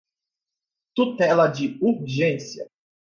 tutela de urgência